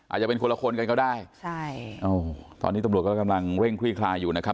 อาจจะเป็นคนละคนกันก็ได้ใช่ตอนนี้ตำรวจก็กำลังเร่งคลี่คลายอยู่นะครับ